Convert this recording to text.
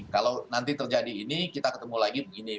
kalau nanti terjadi ini kita ketemu lagi begini